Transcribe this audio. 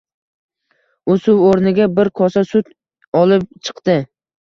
U suv oʻrniga bir kosa sut olib chiqdi